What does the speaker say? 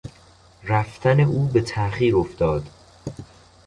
رفتن او به تاخیر افتاد.